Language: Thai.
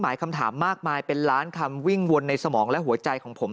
คำถามมากมายเป็นล้านคำวิ่งวนในสมองและหัวใจของผม